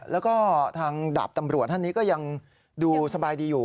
แล้วก็ทางดาบตำรวจท่านนี้ก็ยังดูสบายดีอยู่